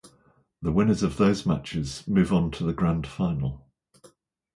The winners of those matches move on to the Grand Final.